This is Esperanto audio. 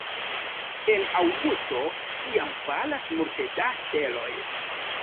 En aŭgusto ĉiam falas multe da steloj.